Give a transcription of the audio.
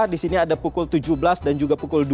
di sini ada pukul tujuh belas dan juga pukul dua